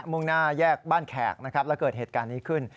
มุ่งหน้าแยกบ้านแขกนะครับแล้วเกิดเหตุการณ์นี้ขึ้น